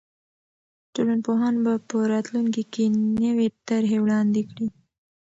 ټولنپوهان به په راتلونکي کې نوې طرحې وړاندې کړي.